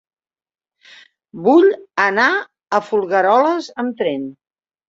Vull anar a Folgueroles amb tren.